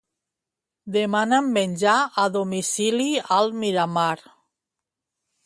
Demana'm menjar a domicili al Miramar.